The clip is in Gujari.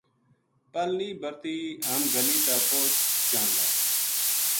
پل نیہہ برہتی ہم گلی تا پوہچ جاں گا